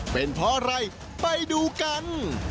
เป็นเพราะอะไรไปดูกัน